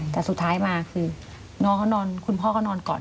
แต่สุดท้ายมาคือน้องเขานอนคุณพ่อก็นอนก่อน